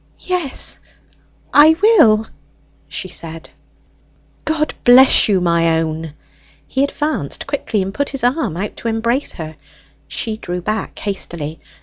"Yes, I will," she said. "God bless you, my own!" He advanced quickly, and put his arm out to embrace her. She drew back hastily.